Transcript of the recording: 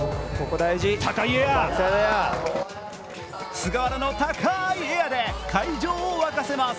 菅原の高いエアで会場を沸かせます。